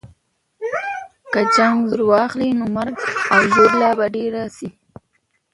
که جنګ زور واخلي، نو مرګ او ژوبله به ډېره سي.